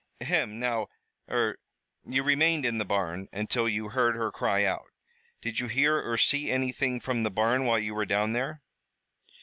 "Ahem! Now er you remained in the barn until you heard her cry out. Did you hear or see anything from the barn while you were down there?"